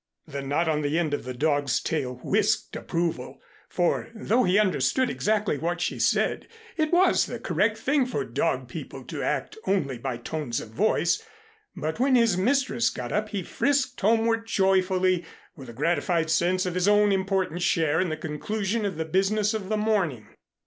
The knot on the end of the dog's tail whisked approval; for, though he understood exactly what she said, it was the correct thing for dog people to act only by tones of voice, but when his mistress got up he frisked homeward joyfully, with a gratified sense of his own important share in the conclusion of the business of the morning.